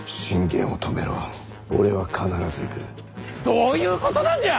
どういうことなんじゃ！